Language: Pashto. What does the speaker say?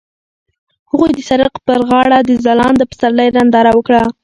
هغوی د سړک پر غاړه د ځلانده پسرلی ننداره وکړه.